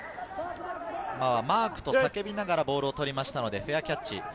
今は「マーク！」と叫びながらボールを取りましたのでフェアキャッチ。